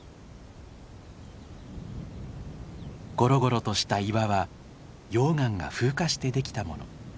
ゴロゴロとした岩は溶岩が風化してできたもの。